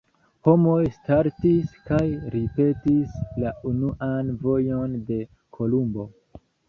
Homoj startis kaj ripetis la unuan vojon de Kolumbo.